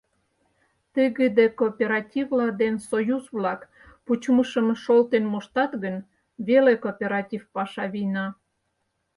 Тыгыде кооперативла ден союз-влак пучымышым шолтен моштат гын веле кооператив паша вийна.